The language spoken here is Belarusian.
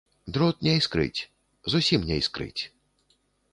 Дрот не іскрыць, зусім не іскрыць.